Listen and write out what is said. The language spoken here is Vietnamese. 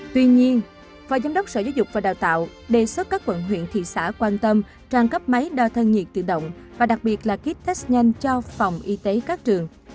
tuy nhiên phó giám đốc sở giáo dục và đào tạo đề xuất các quận huyện thị xã quan tâm trang cấp máy đo thân nhiệt tự động và đặc biệt là kit test nhanh cho phòng y tế các trường